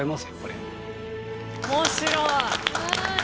面白い。